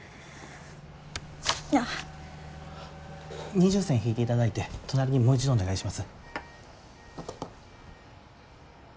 二重線引いていただいて隣にもう一度お願いします。